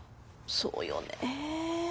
そうよねぇ。